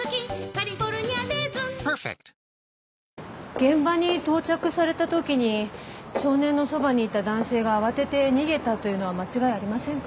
現場に到着されたときに少年のそばにいた男性が慌てて逃げたというのは間違いありませんか？